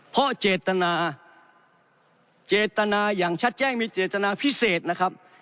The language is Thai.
เพราะเจตนาเจตนาอย่างชัดแจ้งมีเจตนาพิเศษนะครับ